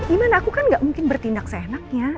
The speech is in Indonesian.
tapi gimana aku kan gak mungkin bertindak seenaknya